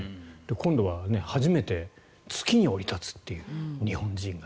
今度は初めて月に降り立つという日本人が。